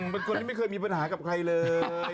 เป็นคนที่ไม่เคยมีปัญหากับใครเลย